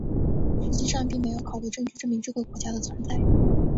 实际上并没有考古证据证明这个国家的存在。